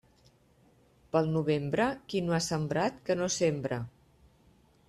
Pel novembre, qui no ha sembrat, que no sembre.